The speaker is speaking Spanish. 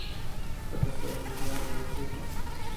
Esta casada y es madre de dos hijos.